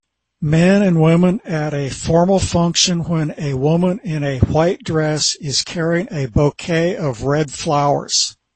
Men and women at a formal function when a woman in a white dress is carrying a bouquet of red flowers